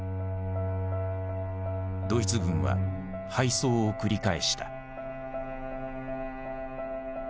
ドイツ軍は敗走を繰り返した。